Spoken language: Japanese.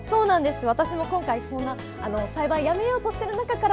私も今回栽培をやめようとしている中から